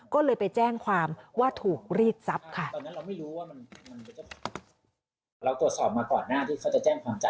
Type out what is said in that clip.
ก็เลยไปแจ้งความว่าถูกรีดทรัพย์ค่ะ